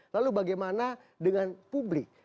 lalu bagaimana dengan publik